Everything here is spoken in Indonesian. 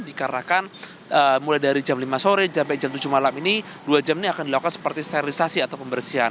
dikarenakan mulai dari jam lima sore sampai jam tujuh malam ini dua jam ini akan dilakukan seperti sterilisasi atau pembersihan